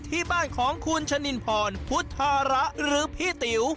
ที่บ้านของคุณชะนินพรพุทธาระหรือพี่ติ๋ว